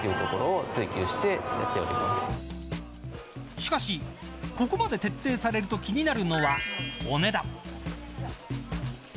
しかしここまで徹底されると気になるのはお値段。